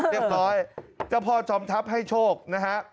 เรียบร้อยเจ้าพ่อจอมทัพให้โชคนะฮะ